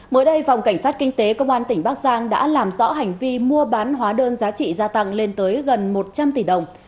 mới đây phòng cảnh sát kinh tế công an tỉnh bắc giang đã làm rõ hành vi mua bán hóa đơn giá trị gia tăng lên tới gần một trăm linh tỷ đồng